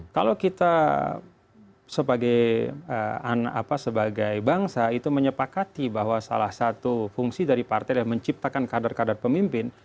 kalau kita sebagai bangsa itu menyepakati bahwa salah satu fungsi dari partai adalah menciptakan kader kader pemimpin